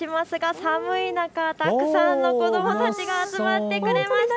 寒い中、たくさんの子どもたちが集まってくれました。